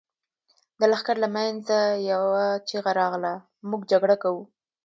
د لښکر له مينځه يوه چيغه راغله! موږ جګړه کوو.